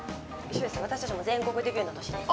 私たちも全国デビューの年です。